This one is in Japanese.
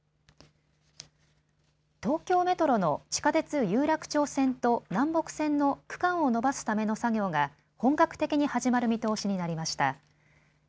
東京メトロの地下鉄、有楽町線と南北線の区間を延ばすための作業が本格的に始まる見通しになりました。